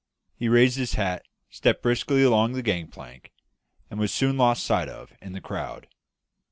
He raised his hat, stepped briskly along the gang plank, and was soon lost sight of in the crowd.